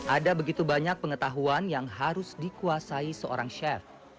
ada begitu banyak pengetahuan yang harus dikuasai seorang chef